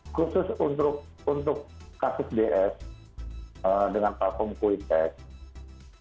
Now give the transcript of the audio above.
khusus untuk kasus ds dengan platform quitex